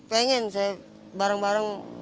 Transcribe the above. pengen saya bareng bareng